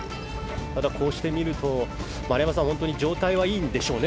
こうしてみると丸山さん状態はいいんでしょうね。